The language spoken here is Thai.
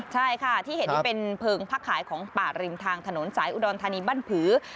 ใช่ค่ะที่เห็นนี่เป็นเพลิงพักขายของป่าริมทางถนนสายอุดรธานีบ้านผือ